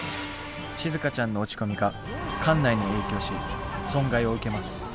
しずかちゃんの落ち込みが艦内に影響し損害を受けます。